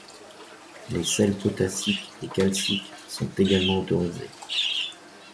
Les sels potassiques et calciques sont également autorisés.